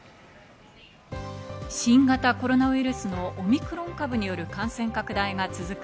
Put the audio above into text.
新型コロナウイルスのオミクロン株による感染拡大が続く